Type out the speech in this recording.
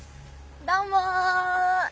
どうも！